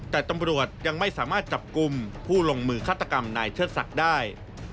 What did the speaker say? แต่ตำรวจยังไม่สามารถจับกลุ่มผู้ลงมือฆาตกรรมนายเชิดศักดิ์ได้